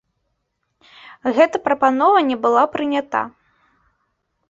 Гэта прапанова не была прынята.